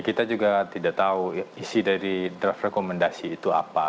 kita juga tidak tahu isi dari draft rekomendasi itu apa